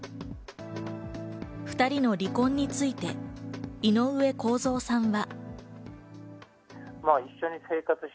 ２人の離婚について井上公造さんは。